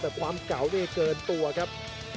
แต่ความเก่านี่เกินตัวครับ